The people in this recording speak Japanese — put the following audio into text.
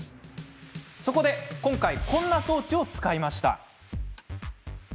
そこで今回こんな装置を使いました。